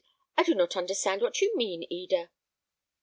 I do not understand what you mean, Eda."